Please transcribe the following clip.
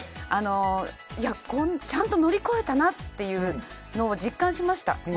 ちゃんと乗り越えたというのを実感しました。